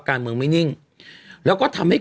การเมืองไม่นิ่งแล้วก็ทำให้